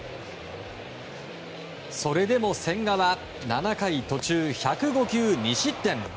それでも千賀は７回途中１０５球２失点。